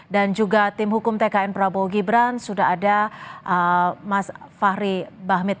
dan juga tim hukum tkn prabowo gibran sudah ada mas fahri bahmit